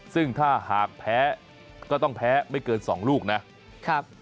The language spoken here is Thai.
ซึ่งถ้าหากแพ้ก็ต้องแพ้ไม่เกิน๒ลูกนะครับ